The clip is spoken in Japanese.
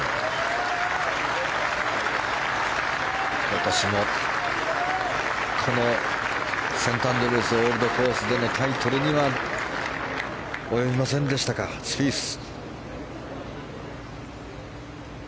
今年もこのセントアンドリュース・オールドコースでのタイトルには及びませんでしたかスピース。